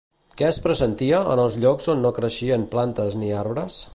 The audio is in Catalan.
Què es pressentia en els llocs on no creixien plantes ni arbres?